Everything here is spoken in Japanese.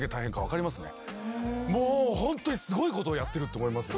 ホントにすごいことをやってるって思いますよ。